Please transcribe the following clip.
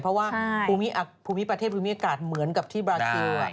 เพราะว่าภูมิประเทศภูมิอากาศเหมือนกับที่บราซิล